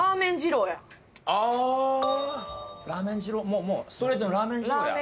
もうストレートに「ラーメン二郎や」。